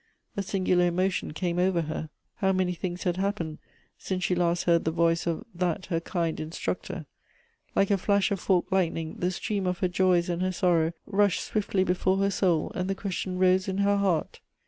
A singular emotion came over her. How many things had 212 Goethe's happened since she last heard the voice of that her kind instructor ! Like a flash of forked lightning the stream of her joys and her sorrow rushed swiftly before her soul, and the question rose in her heart.